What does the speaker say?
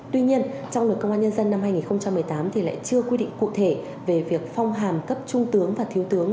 tuy nhiên trong luật công an nhân dân năm hai nghìn một mươi tám thì lại chưa quy định cụ thể về việc phong hàm cấp trung tướng và thiếu tướng